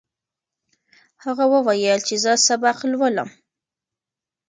هغه وویل چې زه سبق لولم.